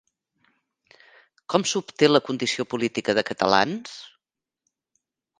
Com s'obté la condició política de catalans?